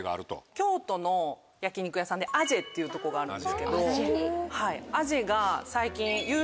京都の焼き肉屋さんでアジェっていうとこがあるんですけどアジェが。